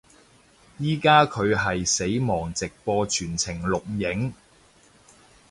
依家佢係死亡直播全程錄影